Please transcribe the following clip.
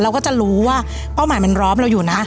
ก็จะรู้ว่าเป้าหมายมันร้อมเราอยู่นะ